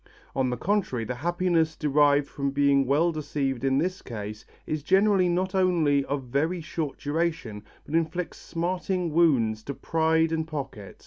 On the contrary, the happiness derived from being well deceived in this case is generally not only of very short duration but inflicts smarting wounds to pride and pocket.